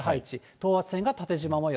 等圧線が縦じま模様。